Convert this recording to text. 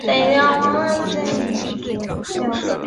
该体育场为奥林匹亚克斯足球俱乐部的主场所在地。